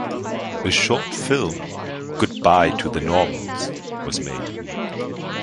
A short film, "Goodbye to the Normals" was made.